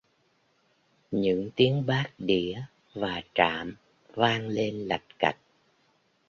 Những tiếng bát đĩa và trạm vang lên lạch cạch